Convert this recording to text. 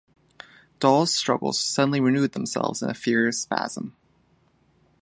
Dawes’s struggles suddenly renewed themselves in a furious spasm.